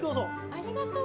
ありがとう。